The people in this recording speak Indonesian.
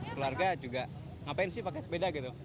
keluarga juga ngapain sih pakai sepeda gitu